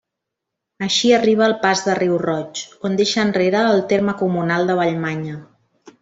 Així arriba al Pas de Riu Roig, on deixa enrere el terme comunal de Vallmanya.